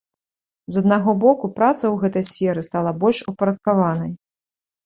З аднаго боку, праца ў гэтай сферы стала больш упарадкаванай.